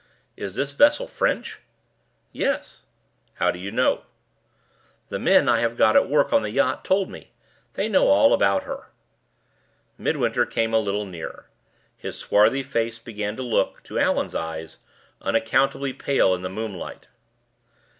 "Is this vessel French?" "Yes." "How do you know?" "The men I have got at work on the yacht told me. They know all about her." Midwinter came a little nearer. His swarthy face began to look, to Allan's eyes, unaccountably pale in the moonlight.